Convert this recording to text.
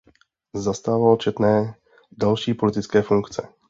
Zastával četné další politické funkce.